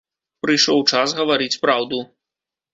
Прыйшоў час гаварыць праўду.